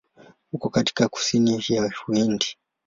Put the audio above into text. Uko katika kusini ya Uhindi.